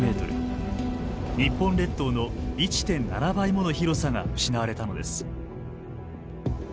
日本列島の１．７倍もの広さが失われたのです。